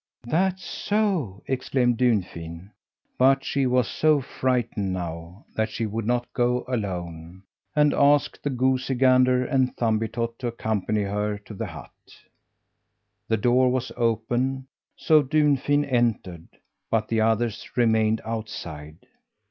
"That's so!" exclaimed Dunfin, but she was so frightened now that she would not go alone, and asked the goosey gander and Thumbietot to accompany her to the hut. The door was open, so Dunfin entered, but the others remained outside.